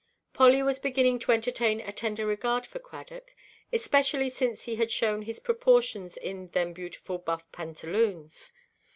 Polly was beginning to entertain a tender regard for Cradock; especially since he had shown his proportions in "them beautiful buff pantaloons."